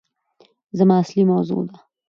زما اصلي موضوع ده